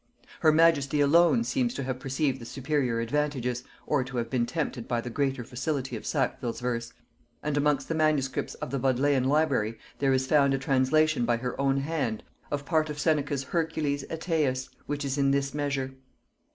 Her majesty alone seems to have perceived the superior advantages, or to have been tempted by the greater facility of Sackville's verse; and amongst the MSS. of the Bodleian library there is found a translation by her own hand of part of Seneca's Hercules Oetæus, which is in this measure.